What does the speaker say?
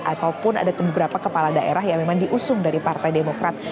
ataupun ada beberapa kepala daerah yang memang diusung dari partai demokrat